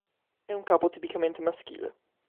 È un capo tipicamente maschile.